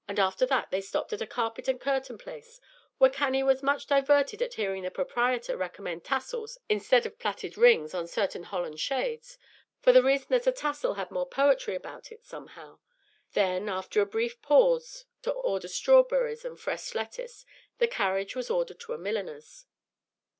After that they stopped at a carpet and curtain place, where Cannie was much diverted at hearing the proprietor recommend tassels instead of plated rings on certain Holland shades, for the reason that "a tossel had more poetry about it somehow." Then, after a brief pause to order strawberries and fresh lettuce, the carriage was ordered to a milliner's.